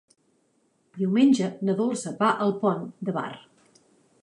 Diumenge na Dolça va al Pont de Bar.